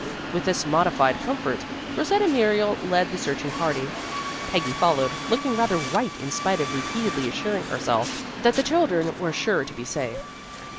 With this modified comfort, Rosetta Muriel led the searching party. Peggy followed, looking rather white in spite of repeatedly assuring herself that the children were sure to be safe.